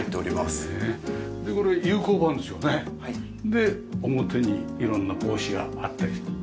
で表に色んな帽子があったり。